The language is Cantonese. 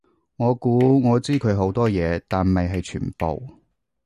我估我知佢好多嘢，但未係全部